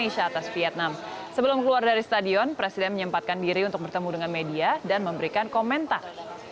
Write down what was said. sebelum keluar dari stadion presiden menyempatkan diri untuk bertemu dengan media dan memberikan komentar